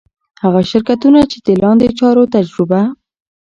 هغه شرکتونه چي د لاندي چارو تجربه